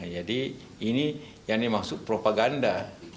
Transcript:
jadi ini yang dimaksud propaganda